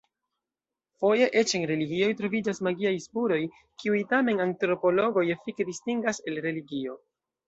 Foje eĉ en religioj troviĝas magiaj spuroj, kiuj tamen antropologoj efike distingas el religio.